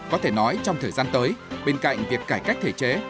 có thể nói trong thời gian tới bên cạnh việc cải cách thể chế